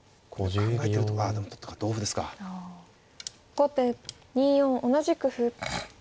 後手２四同じく歩。